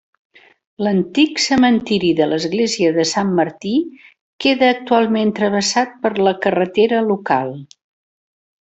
L'antic cementiri de l'església de Sant Martí queda actualment travessat per la carretera local.